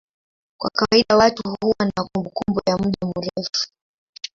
Kwa kawaida watu huwa na kumbukumbu ya muda mrefu.